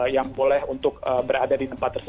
yang boleh untuk berada di tempat tersebut